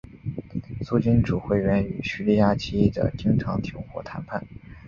苏军指挥员与匈牙利起义者经常停火谈判。